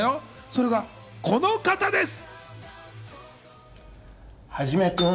それはこの方です！